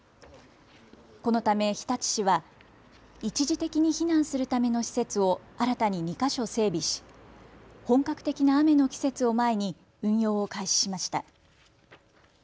このため日立市は一時的に避難するための施設を新たに２か所整備し本格的な雨の季節を前に運用を開始しました。